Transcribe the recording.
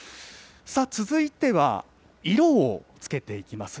続いては、色をつけていきます。